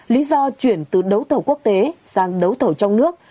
lý do chuyển từ đấu thầu quốc tế sang đấu thầu trong nước